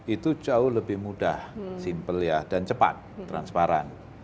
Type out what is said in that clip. itu jauh lebih mudah simple ya dan cepat transparan